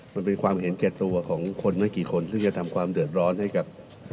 มันเป็นความเห็นแก่ตัวของคนไม่กี่คนซึ่งจะทำความเดือดร้อนให้กับ